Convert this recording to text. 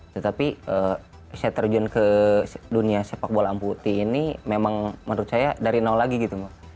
tetapi saya terjun ke dunia sepak bola amputi ini memang menurut saya dari nol lagi gitu mbak